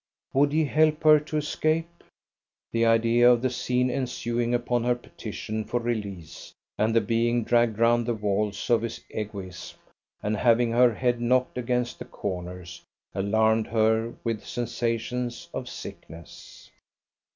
Would he help her to escape? The idea of the scene ensuing upon her petition for release, and the being dragged round the walls of his egoism, and having her head knocked against the corners, alarmed her with sensations of sickness.